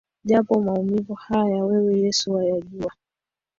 Japo maumivu haya wewe Yesu wayajua